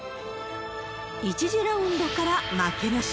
１次ラウンドから負けなし。